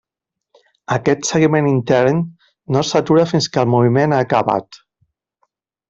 Aquest seguiment intern, no s'atura fins que el moviment ha acabat.